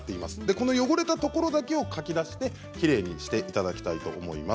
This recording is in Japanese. この汚れたところだけをかき出してきれいにしていただきたいと思います。